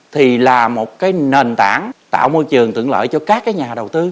thì là một cái nền tảng tạo môi trường tượng lợi cho các cái nhà đầu tư